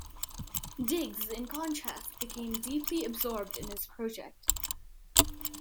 Digges, in contrast, became deeply absorbed in his project.